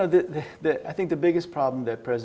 saya pikir masalah terbesar